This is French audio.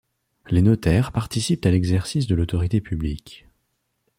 Les notaires participent à l'exercice de l'autorité publique.